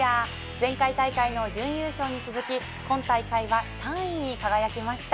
前回大会の準優勝に続き今大会は３位に輝きました。